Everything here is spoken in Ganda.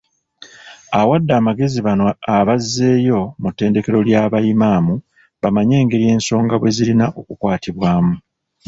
Awadde amagezi bano abazzeeyo mu ttendekero ly'aba Imam bamanye engeri ensonga bwe zirina okukwatibwamu.